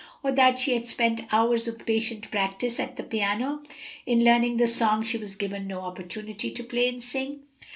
or that she had spent hours of patient practice at the piano in learning the song she was given no opportunity to play and sing?